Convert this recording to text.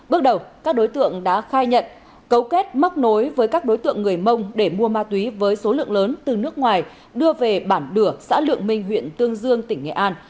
bước đầu các đối tượng đã khai nhận cấu kết mắc nối với các đối tượng người mông để mua ma túy với số lượng lớn từ nước ngoài đưa về bản đửa xã lượng minh huyện tương dương tỉnh nghệ an